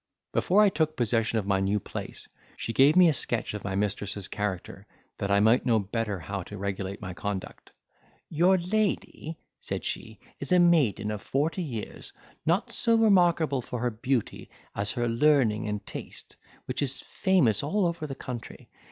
Before I took possession of my new place, she gave me a sketch of my mistress's character, that I might know better how to regulate my conduct. "Your lady," said she, "is a maiden of forty years, not so remarkable for her beauty as her learning and taste, which is famous all over the country.